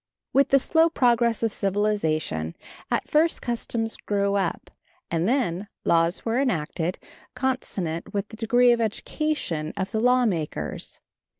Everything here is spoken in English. With the slow progress of civilization, at first customs grew up, and then laws were enacted consonant with the degree of education of the lawmakers.